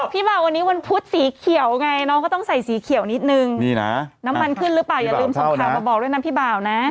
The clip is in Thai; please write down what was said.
พี่บ่าววันนี้วันพุธสีเขียวไงน้องก็ต้องใส่สีเขียวนิดนึงนี่นะน้ำมันขึ้นหรือเปล่าอย่าลืมส่งข่าวมาบอกด้วยนะพี่บ่าวนะ